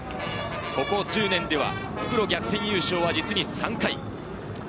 ここ１０年では復路逆転優勝は実に３回。